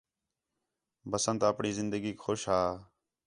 بسنت اپݨی زندگیک خوش ہا